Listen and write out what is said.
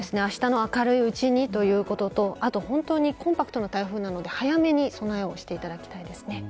明るいうちにということと本当にコンパクトな台風なので早めに備えをしていただきたいです。